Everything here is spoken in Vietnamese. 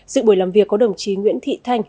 dự buổi làm việc có đồng chí nguyễn thị thanh